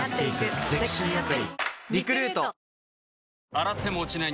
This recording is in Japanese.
洗っても落ちない